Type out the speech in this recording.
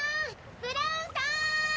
ブラウンさん！